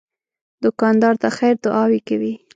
دوکاندار د خیر دعاوې کوي.